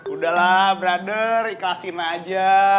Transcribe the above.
udahlah brother ikhlasin aja